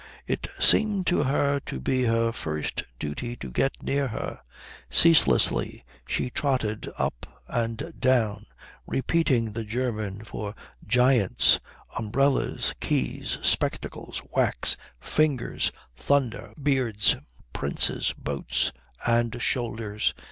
It seemed to her to be her first duty to get near her. Ceaselessly she trotted up and down repeating the German for giants, umbrellas, keys, spectacles, wax, fingers, thunder, beards, princes, boats, and shoulders.